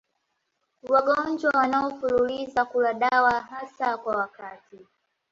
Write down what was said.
Wagonjwa wanaofululiza kula dawa hasa kwa wakati